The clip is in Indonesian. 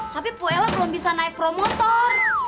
tapi bu ella belum bisa naik promotor